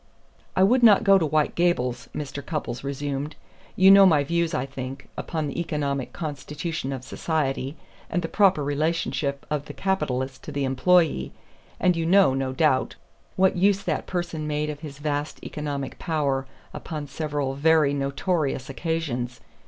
"I would not go to White Gables," Mr. Cupples resumed. "You know my views, I think, upon the economic constitution of society, and the proper relationship of the capitalist to the employee, and you know, no doubt, what use that person made of his vast economic power upon several very notorious occasions.